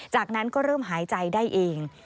จากนั้นก็เริ่มหายใจได้เอง